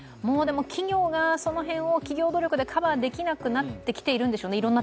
企業がその辺を企業努力でカバーできなくなっているんでしょうね